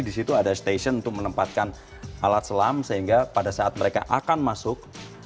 di situ ada stasiun untuk menempatkan alat selam sehingga pada saat mereka akan masuk